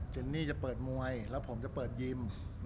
เนนี่จะเปิดมวยแล้วผมจะเปิดยิม